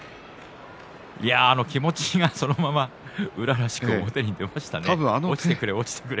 気持ちが、そのまま宇良らしく表に出ましたね。